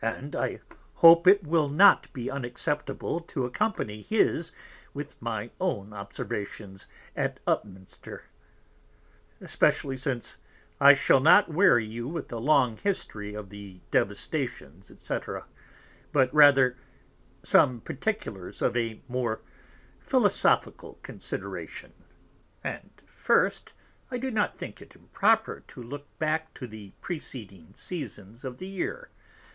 And I hope it will not be unaccepable, to accompany his with my own Observations at Upminster; especially since I shall not weary you with a long History of the Devastations, &c. but rather some Particulars of a more Philosophical Consideration. And first, I do not think it improper to look back to the preceding Seasons of the Year.